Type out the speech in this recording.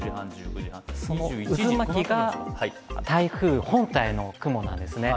渦巻きが台風本体の雲なんですね。